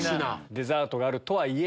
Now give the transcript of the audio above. デザートがあるとはいえ。